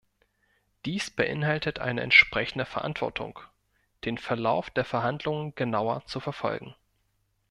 Dies beinhaltet eine entsprechende Verantwortung, den Verlauf der Verhandlungen genauer zu verfolgen.